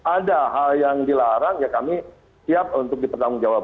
ada hal yang dilarang ya kami siap untuk dipertanggungjawab